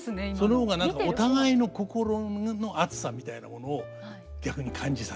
その方が何かお互いの心の熱さみたいなものを逆に感じさせてくれる。